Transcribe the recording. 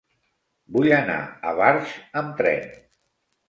Vull anar a Barx amb tren.